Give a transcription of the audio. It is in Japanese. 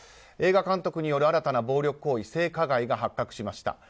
映画監督による新たな暴力行為性加害が発覚しました。